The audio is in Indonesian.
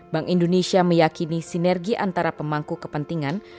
bank indonesia meyakini sinergi antara pemangku kepentingan